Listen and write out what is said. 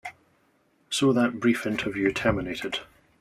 So that brief interview terminated.